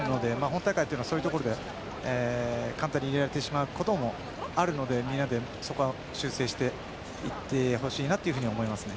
本大会はそういうところで簡単に入れられることもあるので、みんなでそこは修正していってほしいなと思います。